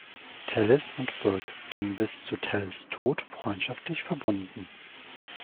Tallis und Byrd blieben bis zu Tallis’ Tod freundschaftlich verbunden.